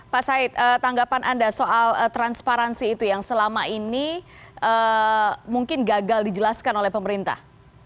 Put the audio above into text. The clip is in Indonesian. pak said tanggapan anda soal transparansi itu yang selama ini mungkin gagal dijelaskan oleh pemerintah